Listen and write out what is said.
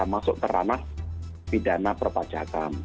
masuk kerana pidana perpajakan